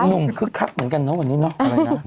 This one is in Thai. นุ่นคึกคัเหมือนกันค่ะวันนี้นะ